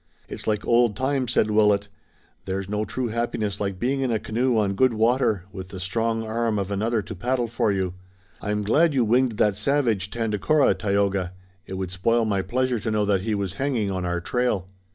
"It's like old times," said Willet. "There's no true happiness like being in a canoe on good water, with the strong arm of another to paddle for you. I'm glad you winged that savage, Tandakora, Tayoga. It would spoil my pleasure to know that he was hanging on our trail."